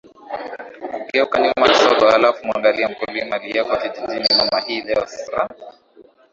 kugeuka nyuma kisogo halafu muangalie mkulima aliyeko kijijini mama hii leo ssra